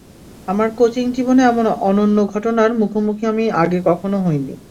আমার কোচিং জীবনে এমন অনন্য ঘটনার মুখোমুখি আমি আগে কখনো হইনি।